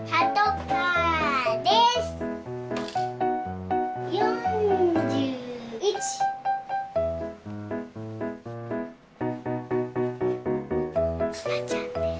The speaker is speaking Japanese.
くまちゃんです。